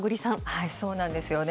そうなんですよね。